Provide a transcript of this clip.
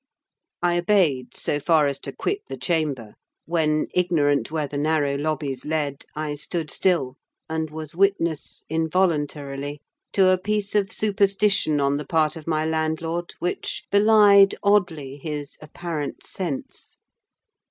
I obeyed, so far as to quit the chamber; when, ignorant where the narrow lobbies led, I stood still, and was witness, involuntarily, to a piece of superstition on the part of my landlord which belied, oddly, his apparent sense.